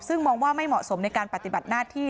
ซึ่งมองว่าไม่เหมาะสมในการปฏิบัติหน้าที่